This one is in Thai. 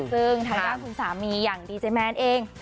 ซึ่งทางด้านคุณสามีอย่างดีเจแมนเอง